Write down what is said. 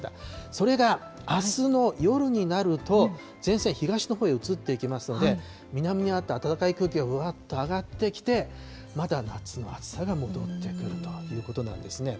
それが、あすの夜になると、前線、東のほうへ移っていきますので、南にあった暖かい空気が、うわっと上がってきて、まだ夏の暑さが戻ってくるということなんですね。